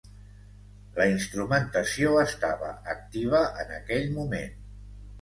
La instrumentació estava activa en aquell moment.